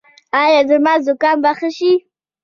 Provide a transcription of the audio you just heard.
ایا زما زکام به ښه شي؟